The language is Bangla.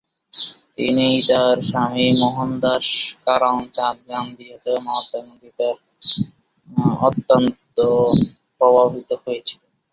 তিনি তার স্বামী মোহনদাস করমচাঁদ গান্ধী অথবা মহাত্মা গান্ধী দ্বারা অত্যন্ত প্রভাবিত হয়েছিলেন।